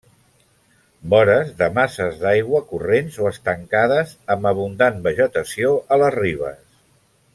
Vores de masses d'aigua corrents o estancades amb abundant vegetació a les ribes.